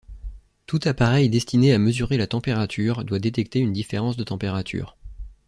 Tout appareil destiné à mesurer la température doit détecter une différence de température.